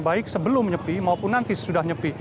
baik sebelum nyepi maupun nanti sesudah nyepi